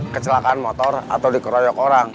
kecelakaan motor atau dikeroyok orang